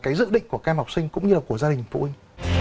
cái dự định của các em học sinh cũng như là của gia đình phụ huynh